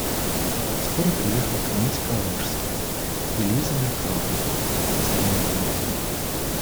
Вскоре приехал князь Калужский и Лиза Меркалова со Стремовым.